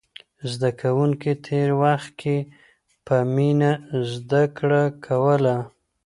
زده کوونکي تېر وخت کې په مینه زده کړه کوله.